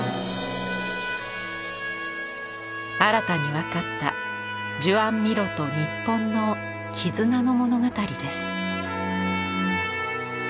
新たに分かったジュアン・ミロと日本の絆の物語です。